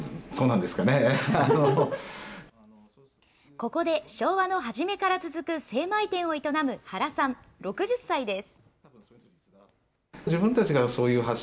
ここで昭和の初めから続く精米店を営む原さん６０歳です。